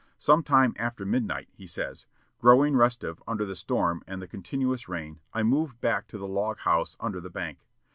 "Some time after midnight," he says, "growing restive under the storm and the continuous rain, I moved back to the log house under the bank.